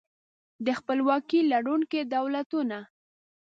د خپلواکۍ لرونکي دولتونه